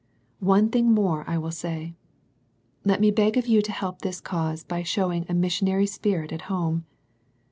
One thing more I will say. Let me beg of you to help this cause by showing a mission ary spirit at home.